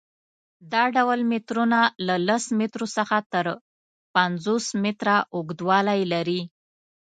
دا ډول مترونه له لس مترو څخه تر پنځوس متره اوږدوالی لري.